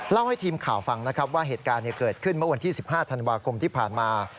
ให้ทีมข่าวฟังนะครับว่าเหตุการณ์เกิดขึ้นเมื่อวันที่๑๕ธันวาคมที่ผ่านมา